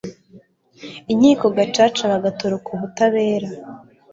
inkiko gacaca bagatoroka ubutabera